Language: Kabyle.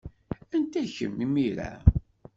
Anta kemm, imir-a?